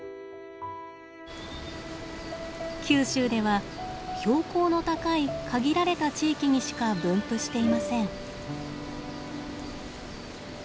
九州では標高の高い限られた地域にしか分布していません。